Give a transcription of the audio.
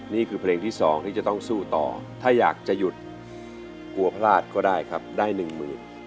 นี่คือเพลงที่๒ที่จะต้องสู้ต่อถ้าอยากจะหยุดกลัวพลาดก็ได้ครับได้หนึ่งหมื่น